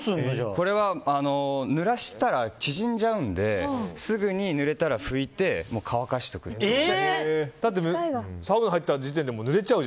これは、ぬらしたら縮んじゃうのですぐにぬれたら拭いて乾かしておくという。